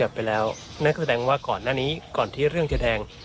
ก็วันอาทิตย์วันเงียบ